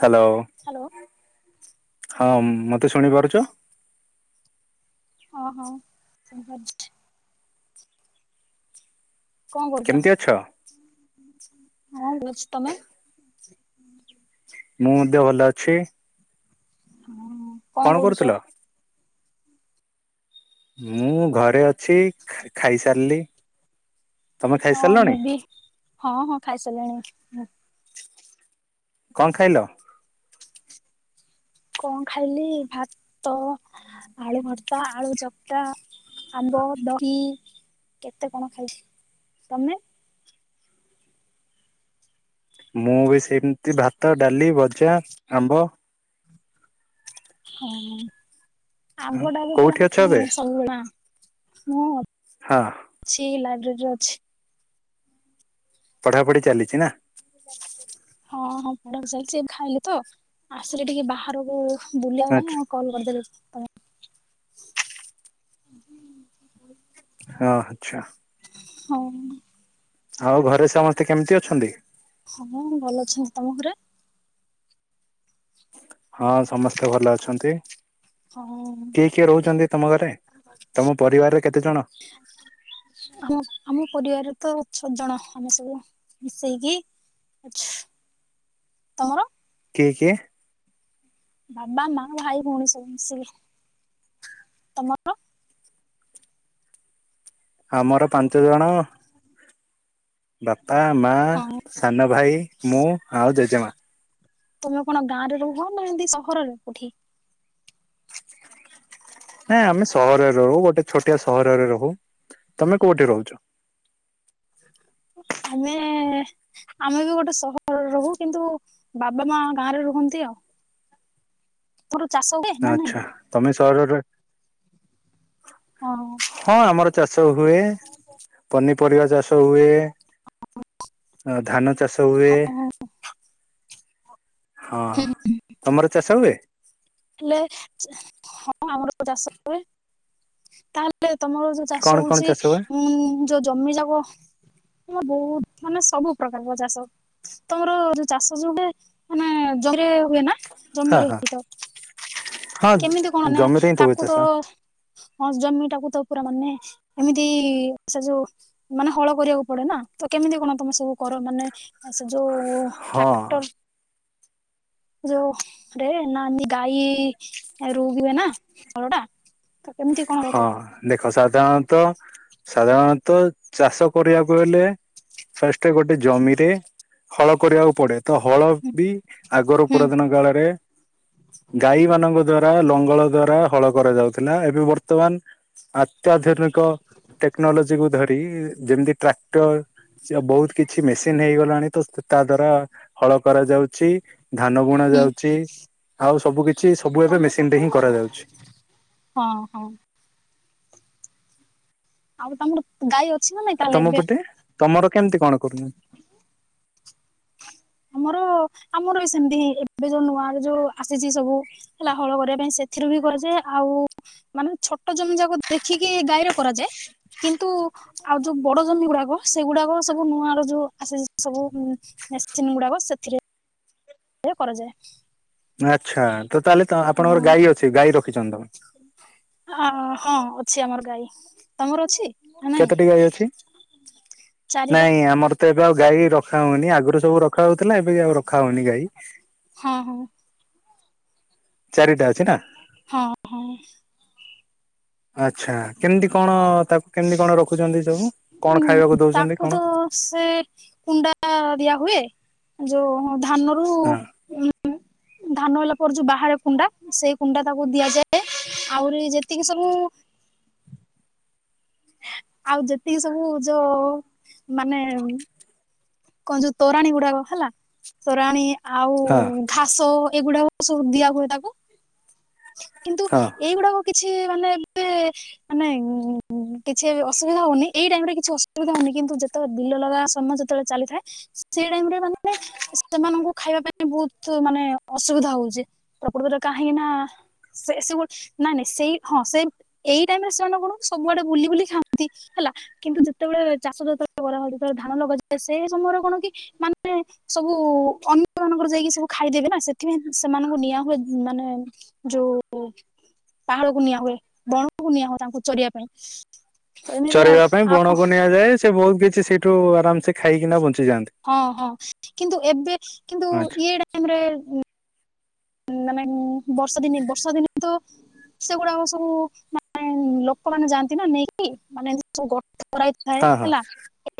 Hello. Hello. ହଁ ମତେ ଶୁଣିପାରୁଚ? ହଁ ହଁ ଶୁଣିପାରୁଚି? କଣ କରୁଚ କେମିତି ଅଛ ହଁ [inaudible] ତମେ? ମୁଁ ଦେହ ଭଲ ଅଛି? [inaudible] କଣ କରୁଥିଲ? ମୁଁ ଘରେ ଅଛି ଖା ଖାଇସାରିଲି। ତମେ ହଁ ଖାଇସାରିଲଣି ମୁଁ ବି ହଁ ହଁ ଖାଇସାରିଲିଣି। କଣ ଖାଇଲ? କଁ ଖାଇଲି ଭାତ ଆଳୁ ଭରତା ଆଳୁ ଚକ୍ଟା ଆମ୍ବ ଦହି କେତେ କଣ ଖାଇଚି ତମେ? ମୁଁ ବି ସେମତି ଭାତ, ଡାଲି, ଭଜା, ଆମ୍ବ- ହଁ ଆମ୍ବଟା ବି ପୁରା କୋଉଠି ଅଛ ଏବେ ସବୁ [inaudible] ହଁ। ଛି ଲାଇବ୍ରେରୀରେ ଅଛି। ପଢ଼ାପଢ଼ି ଚାଲିଚି ନା? ହଁ ହଁ ପଢା ପଢି ଚାଲିଚି ଖାଇଲି ତ ଆସିଲି ଟିକେ ବାହାରକୁ ବୁଲିଆ ପାଇଁ ଆଛା ଆ କଲ୍ କରିଦେଲି ତମ ହଁ ଆଚ୍ଛା। ହଉ। ଆଉ ଘରେ ସମସ୍ତେ କେମତି ଅଛନ୍ତି? ହଁ ମ ଭଲ ଅଛନ୍ତି ତମ ଘରେ? ହଁ ସମସ୍ତେ ଭଲ ଅଛନ୍ତି। ହଁ କିଏ କିଏ ରହୁଛନ୍ତି ତମ ଘରେ ତମ ପରିବାରରେ କେତେ ଜଣ? ଆମ ଆମ ପରିବାରରେ ତ ଛଅ ଜଣ ଆମେ ସବୁ ମିଶେଇକି ଆଛା ତମର? କିଏ କିଏ? ବାବା ମା ଭାଇ ଭଉଣୀ ସବୁ ମିସିକି ତମର? ଆମର ପାଞ୍ଚ ଜଣ। ବାପା ମା ହଁ। ସାନ ଭାଇ ମୁଁ ଆଉ ଜେଜେମା। ତମେ କଣ ଗାଁରେ ରୁହନା ଏମିତି ସହରରେ କଉଠି? ନାଇଁ ଆମେ ସହରରେ ରହୁ ଗୋଟେ ଛୋଟିଆ ସହରରେ ରହୁ ତମେ କୋଉଠି ରହୁଛ? ଆମେ ଏ ଆମେ ବି ଗୋଟେ ସହରରେ ରହୁ କିନ୍ତୁ ବାବା ମା ଗାଁରେ ରୁହନ୍ତି ଆଉ। ତୋ [unintelligible] ଚାଷ ହୁଏ [unintelligible] ଆଚ୍ଛା ତମେ ସହରରେ ରହି ହଁ। ହଁ ଆମର ଚାଷ ହୁଏ ପନିପରିବା ଚାଷ ହୁଏ। ଅ ଧାନ ଚାଷ ହୁଏ। ହଁ ତମର ଚାଷ ହୁଏ? ହେଲେ ହଁ ଆମର ବି ଚାଷ ହୁଏ ତାହେଲେ ତମର ଯଉ କଣ ଚାଷ କଣ ହଉଛି ହୁଏ? ଉ ଯୋଉ ଜମି ଯାକ ହ ବହୁତ ମାନେ ସବୁ ପ୍ରକାର ଚାଷ ତମର ଯୋଉ ଚାଷ ଯୋଉହୁଏ ମାନେ ଜମିରେ ହୁଏ ନା ହଁ ଜମିରେ ହଁ ହଇ ତ ହଁ କେମିତି କଣ ମାନେ ଜମିରେ ହିଁ ହୁଏ ତାକୁ ଚାଷ ତ ହଁ ଜମିଟାକୁ ତ ପୁରା ମାନେ ଏମିତି ସେ ଯୋଉ ମାନେ ହଳ କରିବାକୁ ପଡେ ନା ତ କେମିତି କଣ ତମେ ସବୁ କର ମାନେ ସେ ଯୋଉ ହଁ ଟ୍ରାକ୍ଟର ଯୋଉ ରେ ନା ଏନ୍ତି ଗାଈ ରୁଉଥିବେ ନା ତଳଟା? ହଁ ଦେଖ ସାଧାରଣତଃ ସାଧାରଣତଃ ଚାଷ କରିବାକୁ ହେଲେ ଫାଷ୍ଟେ ଗୋଟେ ଜମିରେ ହଳ କରିବାକୁ ପଡେ। ତ ହଳ ବି ଆଗରୁ ହୁଁ ପୁରାତନ କାଳରେ ଗାଈ ମାନଙ୍କ ଦ୍ଵାରା ଲଙ୍ଗଳ ଦ୍ଵାରା ହଳ କରାଯାଉଥିଲା, ଏବେ ବର୍ ର୍ତ୍ତମାନ ଅତ୍ୟାଧୁନିକ ଟେକ୍ନୋଲୋଜି କୁ ଧରି ଯେମ୍ତି ଟ୍ରାକ୍ଟର୍ ବହୁତ୍ କିଛି ମେସିନ୍ ହେଇଗଲାଣି ତ ତା ଦ୍ଵାରା ହଳ କରାଯାଉଚି ଧାନ ବୁଣା ଯାଉଚି ଆଉ ସବୁ କିଛି ସବୁ ଏବେ ମେସିନ୍ ରେ ହିଁ କରାଯାଉଛି। ହଁ-ହଁ। ଆଉ ତମର ଗାଈ ଅଛି ନା ନାଇଁ? ଆଉ ତାହେଲେ ତମ ଏବେ ପଟେ ତମର କେମିତି କଣ କରୁଚନ୍ତି? ଆମର ଆମର ବି ସେମ୍ତି ହିଁ ଏବେ ଯୋଉ ନୂଆ ର ଯୋଉ ଆସିଚି ସବୁ ହେଲା ହଳ କରିବା ପାଇଁ ସେଥିରୁ ବି କରାଯାଏ, ଆଉ ମାନେ ଛୋଟ ଜମି ଯାକ ଦେଖିକି ଗାଈର କରାଯାଏ, କିନ୍ତୁ ଆଉ ଯୋଉ ବଡ ଜମି ଗୁଡାକ ସେଗୁଡାକ ସବୁ ନୂଆ ର ଯୋଉ ଆସେ ସବୁ ମେ ସିନ୍ ଗୁଡ଼ାକ ସେଥିରେ କରାଯାଏ। ଆଚ୍ଛା ତ ତାହେଲେ ଆପଣଙ୍କର ଗାଈ ଅଛି, ଗାଈ ରଖିଚନ୍ତି? ଅ ହଁ ଅଛି ଆମର ଗାଈ। ତମର ଅଛି ନା ନାଇଁ? କେତୋଟି ଗାଈ ଅଛି ଚାରିଟା। ନାଇଁ ଆମର ତ ଏବେ ଆଉ ଗାଈ ରଖା ହଉନି, ଆଗରୁ ସବୁ ରଖା ହଉଥିଲା ଏବେ ବି ଆଉ ରଖା ହଉନି ଗାଈ। ହଁ-ହଁ। ଚାରିଟା ଅଛି ନା। ହଁ-ହଁ। ଆଛା କେମ୍ତି କଣ ତାକୁ କେମ୍ତି କଣ ରଖୁଚନ୍ତି ସବୁ, କଣ ଖାଇବାକୁ ଦଉଚନ୍ତି କଣ? ହଁ ସେ କୁଣ୍ଡା ଦିଆ ହୁଏ, ଯୋଉ ଧାନରୁ ହଁ ଉଁ ଉଁ ଧାନ ହେଲା ପରେ ଯୋଉ ବାହାରେ କୁଣ୍ଡା, ସେଇ କୁଣ୍ଡା ତାକୁ ଦିଆଯାଏ। ଆହୁରି ଯେତିକି ସବୁ ଆଉ ଯେତିକି ସବୁ ଯ ମାନେ କଣ ଯୋଉ ତୋରାଣୀ ଗୁଡାକ ହେଲା, ତୋରାଣୀ ଆଉ ହଁ ଘାସ ଏଗୁଡାକ ସବୁ ଦିଆ ହୁଏ ତାକୁ, କିନ୍ତୁ ହଁ ଏଇଗୁଡାକ କିଛି ମାନେ ଏବେ ମାନେ ଉଁ-ଉଁ-ଉଁ ଉଁ କିଛି ଏବେ ଅସୁବିଧା ହଉନି ଏଇ ଟାଇମ୍ ରେ କିଛି ଅସୁବିଧା ହଉନି, କିନ୍ତୁ ଯେତେବେଳେ ବିଲ ଲଗା ସମୟ ଯେତବଳେ ଚାଲୋଥାଏ, ସେଇ ଟାଇମ୍ ରେ ମାନେ ସେମାନଙ୍କୁ ଖାଇବା ପାଇଁ ବହୁତ୍ ମାନେ ଅସୁବିଧା ହଉଚି, ପ୍ରକୃତରେ କାହିଁକି ନା ସେ-ସେ ଗୁ ନାଇଁ-ନାଇଁ ସେଇ ହଁ ସେ ଏଇ ଟାଇମ୍ ରେ ସେମାନେ କଣ ସବୁଆଡେ ବୁଲି-ବୁଲି [unintelligible] ହେଲା। କିନ୍ତୁ ଯେତେବେଳେ ଚାଷ ଯତବେଳେ କରା ହଉଚି, ଯେତେବେଳେ ଧାନ [unintelligible] ସେ ସମୟରେ କଣ କି ମାନେ ସବୁ ଅନ୍ୟ ମାନଙ୍କର ଯାଇକି ସବୁ ଖାଇଦେବେ ନା, ସେଥିପାଇଁ ସେମାନଙ୍କୁ ନିଆ ହୁଏ ମାନେ ଯୋଉ ପାହଡ କୁ ନିଆ ହୁଏ, ବଣ କୁ ନିଆ ହୁଏ ତାଙ୍କୁ ଚରିଆ ପାଇଁ। ତ ଏମିତି ଆଉ ଚରେଇବା ପାଇଁ ବଣକୁ ନିଆଯାଏ, ସେ ବହୁତ୍ କିଛି ସେଇଠୁ ଆରାମସେ ହଁ-ହଁ କିନ୍ତୁ ଏବେ କିନ୍ତୁ ଆଚ୍ଛା ଇଏ ଟାଇମ୍ ରେ ଉଁ ଉଁ ମାନେ ଉଁ ବର୍ଷା ଦିନେ ବର୍ଷା ଦିନେ ତ ସେଗୁଡାକ ସବୁ ମାନେ ଲୋକମାନେ ଯାଆନ୍ତି ନା ନେଇକି, ମାନେ ସବୁ ଗୋଠ କରାହେଇ ଥାଏ ହଁ ହଁ ହେଲା।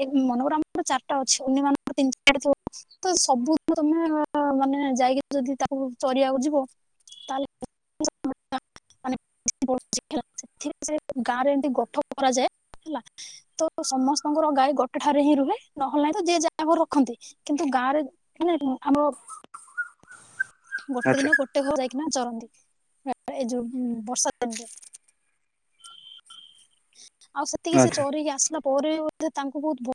ଏ-ଏ ମନେକର ଆମର ଚାରିଟା ଅଛି, ଅନ୍ୟ ମାନଙ୍କର [unintelligible] ତ ସବୁ ତମେ ଅ ମାନେ ଯାଇକି ଯଦି ତାକୁ ଚରିଆକୁ ଯିବ, ତାହେଲେ [unintelligible] ସବୁ ତା ମାନେ [inaudible] ତ ସମସ୍ତଙ୍କର ଗାଈ ଗୋଟେ ଠାରେ ହିଁ ରୁହେ, ନହେଲେ ନାହିଁ ତ ଯିଏ ଯାହା ଘରେ ରଖନ୍ତି। କିନ୍ତୁ ଗାଁରେ ମାନେ ଉଁ ଆମ ଗୋଟେ ଆଚ୍ଛା ଦିନ ଗୋଟେ ଘର ଯାଇକିନା ଜରନ୍ତି। ଆ ଏ ଯୋଉ ଉଁ ବର୍ଷା ଦିନରେ। ଆଉ ସେତିକି ସେ ଆଚ୍ଛା ଚରିକି ଆସିଲା ପରେ ବୋଧେ ତାଙ୍କୁ ବହୁତ ଭୋ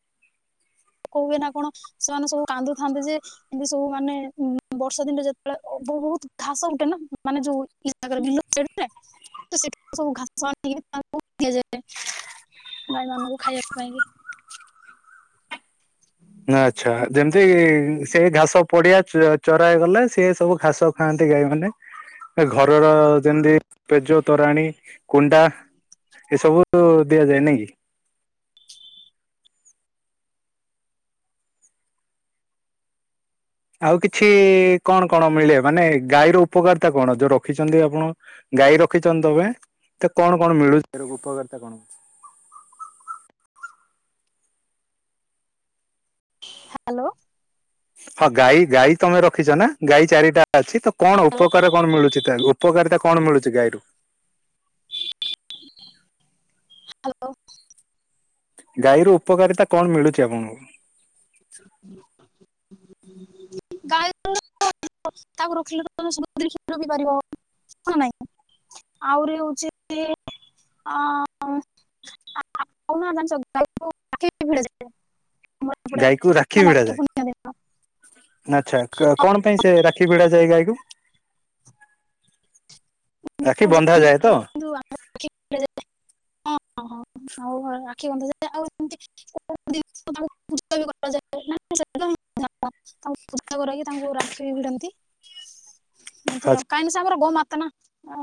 କ ହୁଏ ନା କଣ ସେମାନେ ସବୁ କାନ୍ଦୁଥାନ୍ତି ଯେ ଏନ୍ତି ସବୁ ମାନେ ଉଁ ବର୍ଷା ଦିନେ ଯେତଳେ ବହୁତ ଘାସ ଉଟେ ନା ମାନେ ଯୋଉ ଇଏ ସାଙ୍ଗରେ ବିଲ [unintelligible] ତ ସେଠୁ ସବୁ ଘାସ ଆଣିକିରି ତାଙ୍କୁ ଦିଆଯାଏ। ଗାଈମାନୁଙ୍କୁ ଖାଇବାକୁ ପାଇଁକି। ହୁଁ। ନାଁ ଆଚ୍ଛା ଯେମତି ସେଇ ଘାସ ପଡ଼ିଆ ଚ ଚରାଗଲା ସିଏ ସବୁ ଘାସ ଖାନ୍ତି ଗାଈମାନେ। ଏ ଘରର ଯେନ୍ତି ପେଜ, ତୋରାଣୀ, କୁଣ୍ଡା। ଏ ସବୁ ଦିଆଯାଏ। ନାଇଁ କି? ଆଉ କିଛି କଣ କଣ ମିଳେ? ମାନେ ଗାଈର ଉପକାରୀତା କଣ ଯୋଉ ରଖିଚନ୍ତି ଆପଣ? ଗାଈ ରଖିଚନ୍ତି ତମେ ତେ କଣ କଣ ମିଳୁଚି, ତାର ଉପକାରିତା କଣ? ହାଲୋ। ହଁ ଗାଈ ଗାଈ ତମେ ରଖିଚ ନାଁ। ଗାଈ ଚାରିଟା ଅଛି। ତ କଣ ହ୍ୟାଲୋ ଉପକାର କଣ ମିଳୁଚି ତାହାକୁ? ପକାରିତା କଣ ମିଳୁଚି ଗାଈରୁ? ହାଲୋ। ଗାଈର ଉପକାରିତା କଣ ମିଳୁଚି ଆପଣଙ୍କୁ? ଗାଈ ତର ତାକୁ ରଖିଲେ ତ ତମେ ସବୁ ଦିରି [inaudible] ପାରିବ ନାଁ ନାଇଁ? ଆଉରି ହଉଚି ଅଁ ଆ ଆଉ ନା ଜାଣିଚ ଗାଈକୁ ଠି ଭିଡ଼ାଯାଏ। ଗାଈକୁ ରାକ୍ଷୀ ଭିଡ଼ା ଯାଏ। ପୂର୍ଣ୍ଣିମା ଦିନ ନାଚ୍ଛା, କ କଣ ପାଇଁ ସେ ରାକ୍ଷୀ ଭିଡ଼ା ଯାଏ ଗାଈକୁ? ରାକ୍ଷୀ ମୁଁ ଜାଣି ବନ୍ଧାଯାଏ [inaudible] ତ? କିନ୍ତୁ ଆ କ୍ଷୀ ଭିଡ଼ା ଯାଏ। ହଁ ହଁ, ହଁ [inaudible] ଆଉ ରାଖି ବନ୍ଧାଯାଏ ଆଉ ଏମତି କୋଉ [unintelligible] ପୂଜା ବି କରାଯାଏ [unintelligible] ତାଙ୍କୁ ପୂଜା କରାହେଇକି ତାଙ୍କୁ ରାକ୍ଷୀ ବି ଭିଡ଼ନ୍ତି। [inaudible] ଏମତି ଆଉ କାଇଁ ନାଁ ସେ ଆମର ଗୋ ମାତା ନାଁ।